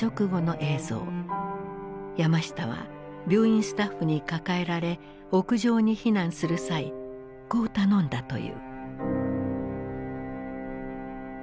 山下は病院スタッフに抱えられ屋上に避難する際こう頼んだという。